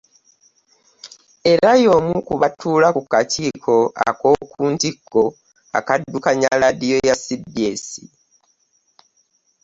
Era y'omu ku batuula ku kakiiko ak'okuntikko akaddukanya laadiyo ya CBS.